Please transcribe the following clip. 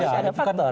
tidak ada faktor